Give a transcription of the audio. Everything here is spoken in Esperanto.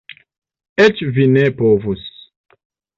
Eĉ vi ne povus!